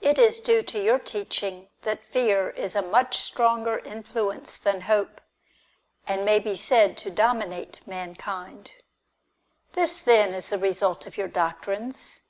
It is due to your teaching that fear is a much stronger influence than hope, and may be said to dominate mankind. "This then is the result of your doctrines.